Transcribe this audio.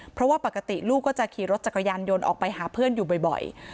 เพราะว่าปกติลูกก็จะขี่รถจักรยานยนต์ออกไปหาเพื่อนอยู่บ่อย